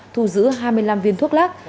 thu giữ hai mươi năm viên thuốc lắc